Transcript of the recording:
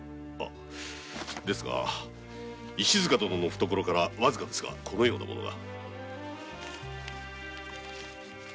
ですが石塚殿の懐からわずかですがこのような物が。